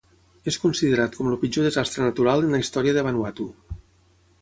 És considerat com el pitjor desastre natural en la història de Vanuatu.